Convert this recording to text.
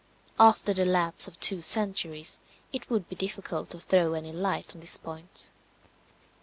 After the lapse of two centuries, it would be difficult to throw any light on this point.